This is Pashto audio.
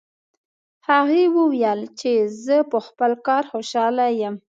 هغې وویل چې زه په خپل کار خوشحاله یم